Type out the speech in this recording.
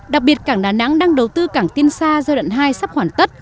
đặc biệt cảng đà nẵng đang đầu tư cảng tiên sa giai đoạn hai sắp hoàn tất